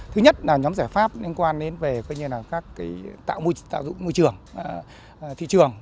thứ nhất là nhóm giải pháp liên quan đến về các tạo dụng môi trường thị trường